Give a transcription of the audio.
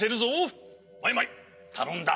マイマイたのんだ。